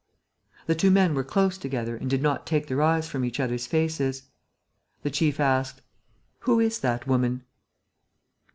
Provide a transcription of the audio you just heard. The two men were close together and did not take their eyes from each other's faces. The chief asked: "Who is that woman?"